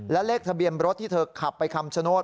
และเลขทะเบียนรถที่เธอขับไปคำชโนธ